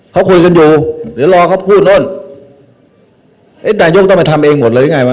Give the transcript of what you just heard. เขาคุยกันอยู่เดี๋ยวรอเขาพูดโน่นเอ๊ะนายกต้องไปทำเองหมดเลยหรือไงวะ